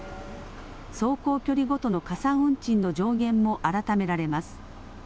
走行距離ごとの加算運賃の上限も改められます。